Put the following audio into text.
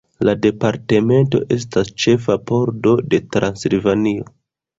La departamento estas ĉefa pordo de Transilvanio.